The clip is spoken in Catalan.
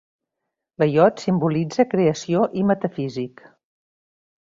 La iod simbolitza creació i metafísic.